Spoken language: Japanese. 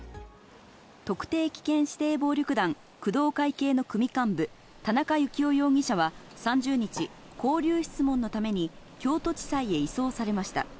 特定危険指定暴力団、工藤会系の組幹部、田中幸雄容疑者は３０日、勾留質問のために京都地裁へ移送されました。